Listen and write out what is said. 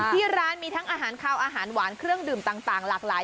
ที่ร้านมีทั้งอาหารขาวอาหารหวานเครื่องดื่มต่างหลากหลาย